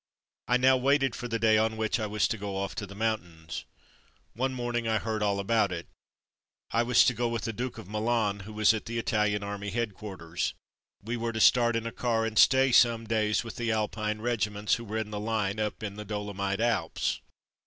I now waited for the day on which I was to go off to the mountains. One morning I heard all about it. I was to go with the Duke of Milan who was at the Italian Army Headquarters. We were to start in a car, and stay some days with the Alpine regiments who were in the line up in the Dolomite Alps.